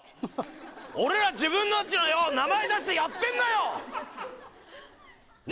俺ら自分達のよ名前出してやってんのよ！